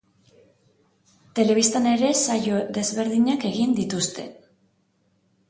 Telebistan ere saio desberdinak egin dituzte.